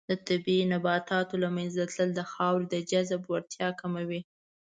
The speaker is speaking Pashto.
د طبیعي نباتاتو له منځه تلل د خاورې د جذب وړتیا کموي.